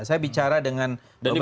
saya bicara dengan beberapa